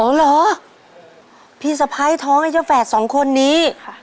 เหรอพี่สะพ้ายท้องไอ้เจ้าแฝดสองคนนี้ค่ะ